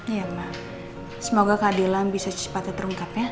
iya ma semoga keadilan bisa cepatnya terungkap ya